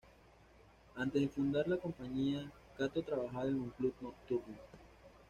Antes de fundar la compañía, Kato trabajaba en un club nocturno.